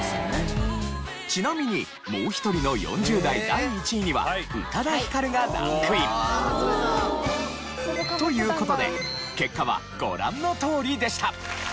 ちなみにもう１人の４０代第１位には宇多田ヒカルがランクイン。という事で結果はご覧のとおりでした。